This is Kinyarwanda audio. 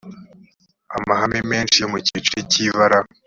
amahame menshi yo mu cyiciro cy ibara